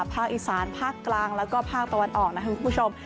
ภาคอีสานภาคกลางแล้วก็ภาคตะวันออกนะครับคุณผู้ชม